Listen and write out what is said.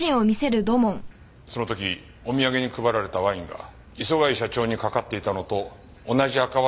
その時お土産に配られたワインが磯貝社長にかかっていたのと同じ赤ワインだと判明しました。